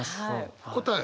答え